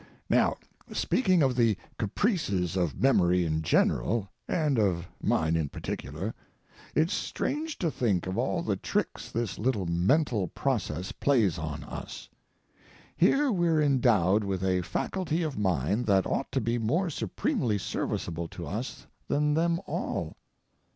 Now, speaking of the caprices of memory in general, and of mine in particular, it's strange to think of all the tricks this little mental process plays on us. Here we're endowed with a faculty of mind that ought to be more supremely serviceable to us than them all.